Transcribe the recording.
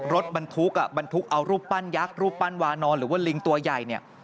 รถบรรทุกเอารูปปั้นยักษ์รูปปั้นวานอนหรือว่าลิงตัวใหญ่